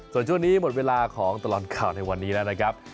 ส่วนช่วงนี้หมดเวลาของตลอดข่าวในวันนี้แล้วนะครับ